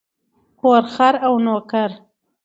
کور، خر او نوکر.